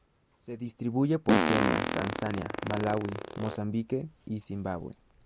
Se distribuye por Kenia, Tanzania, Malaui, Mozambique y Zimbabue.